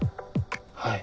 はい。